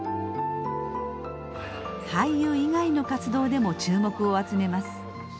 俳優以外の活動でも注目を集めます。